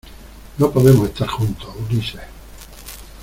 no podemos estar juntos, Ulises